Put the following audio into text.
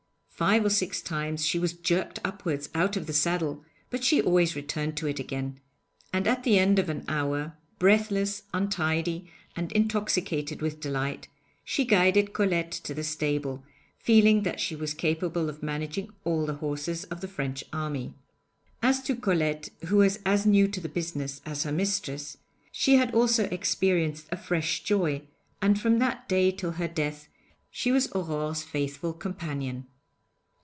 Five or six times she was jerked upwards out of the saddle, but she always returned to it again, and at the end of an hour breathless, untidy, and intoxicated with delight she guided Colette to the stable, feeling that she was capable of managing all the horses of the French Army. As to Colette, who was as new to the business as her mistress, she also had experienced a fresh joy, and from that day till her death she was Aurore's faithful companion.